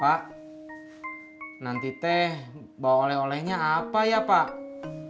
pak nanti teh bawa oleh olehnya apa ya pak